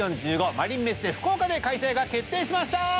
マリンメッセ福岡で開催が決定しました！